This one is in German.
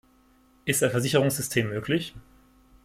Ist ein Versicherungssystem möglich?